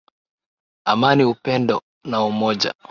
Amani upendo na umoja,